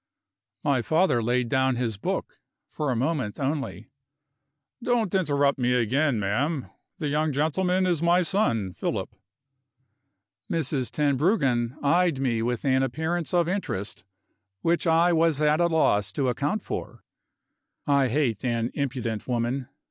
My father laid down his book, for a moment only: "Don't interrupt me again, ma'am. The young gentleman is my son Philip." Mrs. Tenbruggen eyed me with an appearance of interest which I was at a loss to account for. I hate an impudent woman.